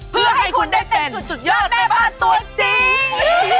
เพื่อให้คุณได้เป็นสุดยอดแม่บ้านตัวจริง